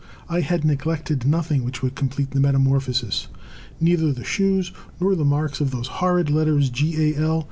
I had neglected nothing which could complete the metamorphosis, — neither the shoes nor the marks of those horrid letters G. A. L.